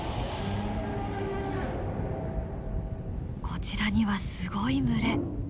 こちらにはすごい群れ。